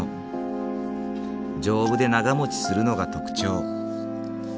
丈夫で長もちするのが特長。